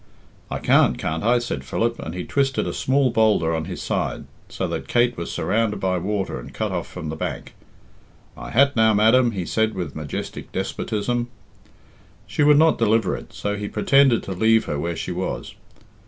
"I can't, can't I?" said Philip; and he twisted a smaller boulder on his side, so that Kate was surrounded by water and cut off from the bank. "My hat now, madam," he said with majestic despotism. 10 She would not deliver it, so he pretended to leave her where she was.